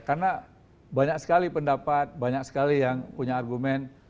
karena banyak sekali pendapat banyak sekali yang punya argumen